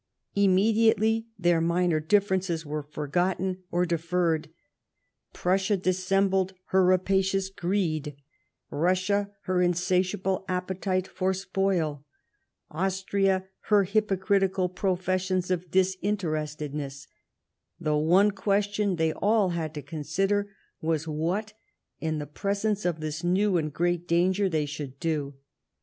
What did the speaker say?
Immediately their minor differences were forgotten or deferred. Prussia dissembled her rapacious greed ; Eussia her insatiable appetite for spoil ; Austria her hypocritical pro fessions of disinterestedness; the one question they all had to consider was what, in the presence of this new and great danger, they should do.